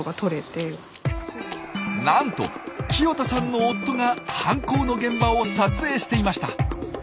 なんと清田さんの夫が犯行の現場を撮影していました。